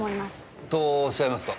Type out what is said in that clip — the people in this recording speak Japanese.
とおっしゃいますと？